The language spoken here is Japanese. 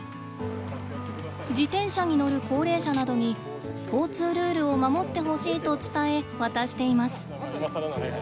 自転車に乗る高齢者などに交通ルールを守ってほしいと伝え渡しています。